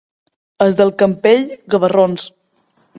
Els del Campell, gavarrons.